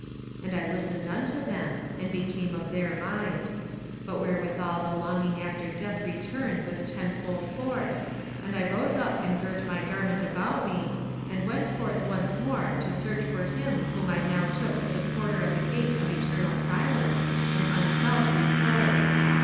And I listened unto them, and became of their mind. But therewithal the longing after death returned with tenfold force and I rose up and girt my garment about me, and went forth once more to search for him whom I now took for the porter of the gate of eternal silence and unfelt repose.